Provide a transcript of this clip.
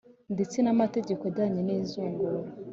ndetse n’amategeko ajyanye n’izungura